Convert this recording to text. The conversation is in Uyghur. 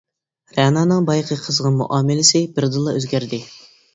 رەنانىڭ بايىقى قىزغىن مۇئامىلىسى بىردىنلا ئۆزگەردى.